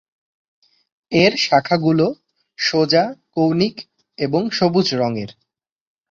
এর শাখাগুলি সোজা, কৌনিক এবং সবুজ রঙের।